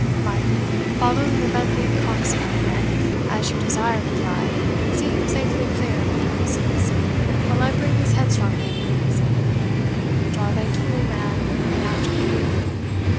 Mike, follow that meddling coxcomb, and, as you desire to thrive, see him safely clear of the premises, while I bring this headstrong lady to reason. Draw thy tool, man, and after him."